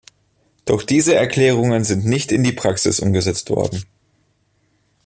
Doch diese Erklärungen sind nicht in die Praxis umgesetzt worden.